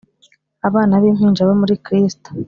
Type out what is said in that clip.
abana b'impinja bo muri Kristo.